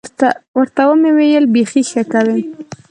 ورته ومې ویل بيخي ښه کوې.